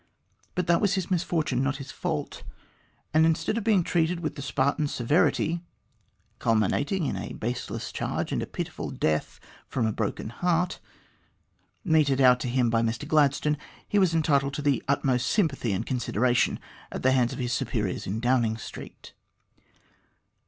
But that was his misfortune, not his fault ; and, instead of being treated with the Spartan severity (culminating in a baseless charge and a pitiful death from a broken heart) meted out to him by Mr Gladstone, he was entitled to the utmost sympathy and consideration at the hands of his superiors in Downing Street.